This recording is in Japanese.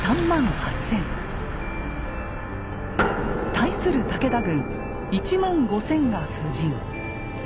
対する武田軍１万５千が布陣。